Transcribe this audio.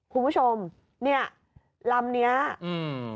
คุณผู้ชมเนี้ยลำเนี้ยอืม